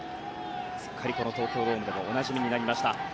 すっかり東京ドームでもおなじみになりました。